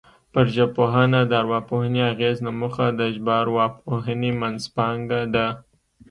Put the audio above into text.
پر ژبپوهنه د ارواپوهنې اغېز نه موخه د ژبارواپوهنې منځپانګه ده